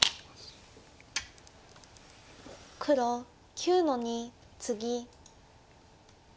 黒９の二ツギ。